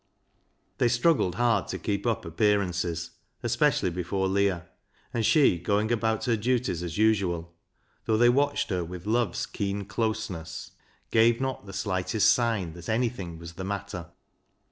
They struggled hard to keep up appearances, especially before Leah, and she, going about her duties as usual, though they watched her LEAH'S LOVER 59 with love's keen closeness, gave not the slightest sign that anything was the matter.